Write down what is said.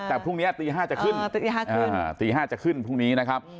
แต่พรุ่งนี้ตีห้าจะขึ้นอ๋อตีห้าขึ้นอ่าตีห้าจะขึ้นพรุ่งนี้นะครับ